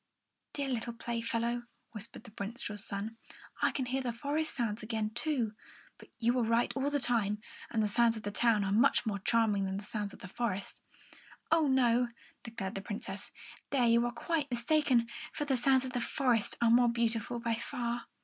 "Dear little playfellow," whispered the minstrel's son, "I can hear the forest sounds again, too; but you were right all the time, and the sounds of the town are much more charming than the sounds of the forest." "Oh, no," declared the Princess. "There you are quite mistaken, for the sounds of the forest are more beautiful by far."